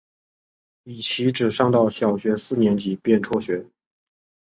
李琦只上到小学四年级便辍学。